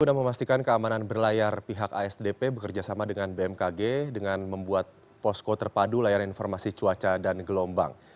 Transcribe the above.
guna memastikan keamanan berlayar pihak asdp bekerjasama dengan bmkg dengan membuat posko terpadu layar informasi cuaca dan gelombang